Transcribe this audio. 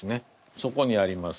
そこにあります